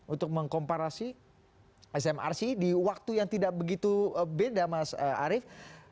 untuk mengkomparasi smrc di waktu yang tidak begitu beda mas arief